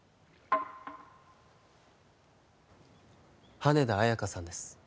羽田綾華さんです